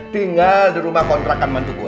tinggal di rumah kontrakan mantu gua